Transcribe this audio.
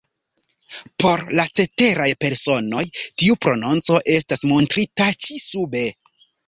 Por la ceteraj personoj, tiu prononco estas montrita ĉi sube.